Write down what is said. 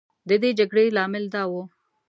د دې جګړې لامل دا و.